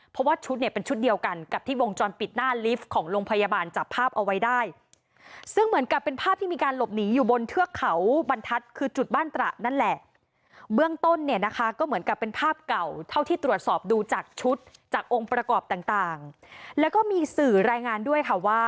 เพราะว่าชุดเนี่ยเป็นชุดเดียวกันกับที่วงจรปิดหน้าลิฟต์ของโรงพยาบาลจับภาพเอาไว้ได้ซึ่งเหมือนกับเป็นภาพที่มีการหลบหนีอยู่บนเทือกเขาบรรทัศน์คือจุดบ้านตระนั่นแหละเบื้องต้นเนี่ยนะคะก็เหมือนกับเป็นภาพเก่าเท่าที่ตรวจสอบดูจากชุดจากองค์ประกอบต่างต่างแล้วก็มีสื่อรายงานด้วยค่ะว่า